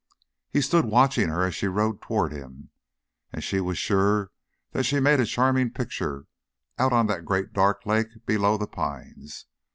He stood watching her as she rowed toward him, and she was sure that she made a charming picture out on that great dark lake below the pines.